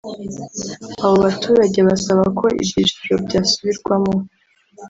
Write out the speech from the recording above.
Abo baturage basaba ko ibyiciro byasubirwamo